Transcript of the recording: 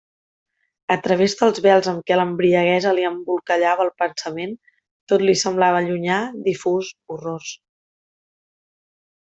A través dels vels amb què l'embriaguesa li embolcallava el pensament, tot li semblava llunyà, difús, borrós.